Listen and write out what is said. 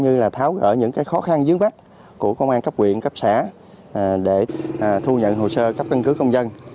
như là tháo gỡ những khó khăn dưới vách của công an cấp quyện cấp xã để thu nhận hồ sơ cấp căn cứ công dân